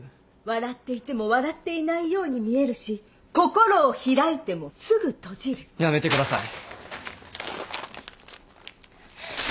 「笑っていても笑っていないように見えるし心を開いてもすぐ閉じる」やめてください。